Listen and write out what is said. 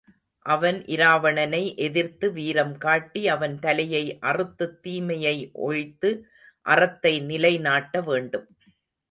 அவன் இராவணனை எதிர்த்து வீரம் காட்டி அவன் தலையை அறுத்துத் தீமையை ஒழித்து அறத்தை நிலை நாட்ட வேண்டும்.